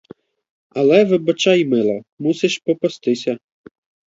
Але вибачай, мила, мусиш попастися!